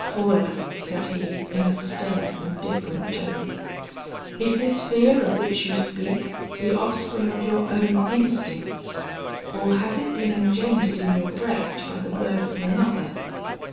"Paula," said he, in a stern and different tone, "is this fear of which you speak, the offspring of your own instincts, or has it been engendered in your breast by the words of another?"